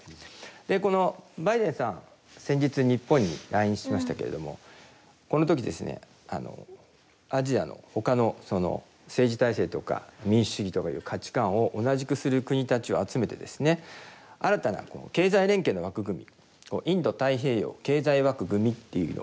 でこのバイデンさん先日日本に来日しましたけれどもこの時ですねアジアのほかの政治体制とか民主主義とかいう価値観を同じくする国たちを集めてですね新たな経済連携の枠組みインド太平洋経済枠組みっていうのを立ち上げたんですけれども。